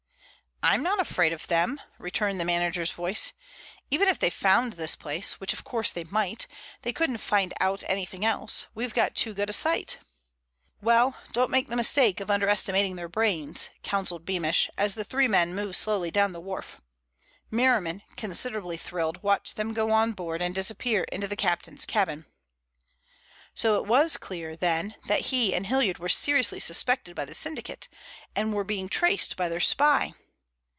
"I'm not afraid of them," returned the manager's voice. "Even if they found this place, which of course they might, they couldn't find out anything else. We've got too good a site." "Well, don't make the mistake of underestimating their brains," counseled Beamish, as the three men moved slowly down the wharf. Merriman, considerably thrilled, watched them go on board and disappear into the captain's cabin. So it was clear, then, that he and Hilliard were seriously suspected by the syndicate and were being traced by their spy!